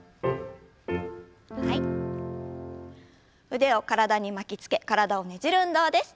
腕を体に巻きつけ体をねじる運動です。